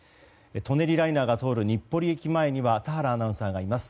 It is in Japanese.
舎人ライナーが通る日暮里駅前には田原アナウンサーがいます。